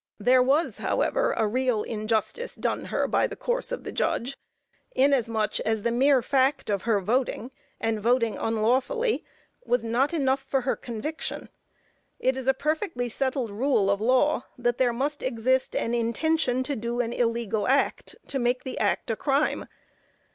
There was, however, a real injustice done her by the course of the judge, inasmuch as the mere fact of her voting, and voting unlawfully, was not enough for her conviction. It is a perfectly settled rule of law that there must exist an intention to do an illegal act, to make an act a crime.